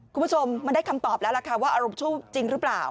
คุณผู้ชมมันได้คำตอบแล้วล่ะค่ะว่าอารมณ์ชูบจริงหรือเปล่า